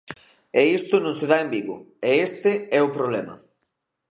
E isto non se dá en Vigo, e este é o problema.